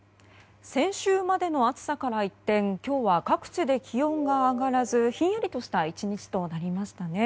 先週までの暑さから一転今日は各地で気温が上がらずひんやりとした１日となりましたね。